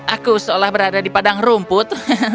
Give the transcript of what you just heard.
aku seolah berada di padang rumput